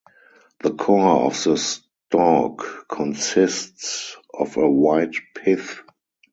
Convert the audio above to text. The core of the stalk consists of a white pith.